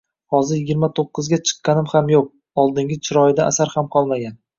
Hozir yigirma to`qqizga chiqqani ham yo`q, oldingi chiroyidan asar ham qolmagan